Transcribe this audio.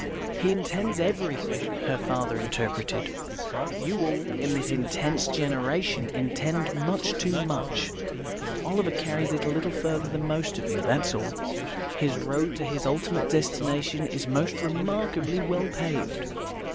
"He intends everything," her father interpreted. "You all, in this intense generation, intend much too much; Oliver carries it a little further than most of you, that's all. His road to his ultimate destination is most remarkably well paved."